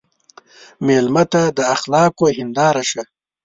مېلمه ته د اخلاقو هنداره شه.